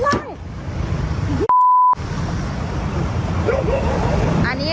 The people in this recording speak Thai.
ทำไมจะยิงนี่ละไงไม่ฝืนจะยิงไง